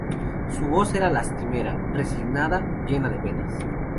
su voz era lastimera, resignada, llena de penas: